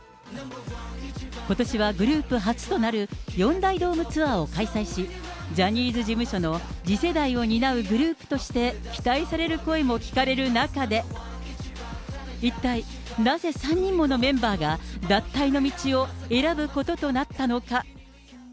ことしはグループ初となる、４大ドームツアーを開催し、ジャニーズ事務所の次世代を担うグループとして、期待される声も聞かれる中で、一体なぜ３人ものメンバーが脱退の道を選ぶこととなったのか。